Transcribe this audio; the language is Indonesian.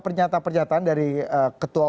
pernyataan pernyataan dari ketua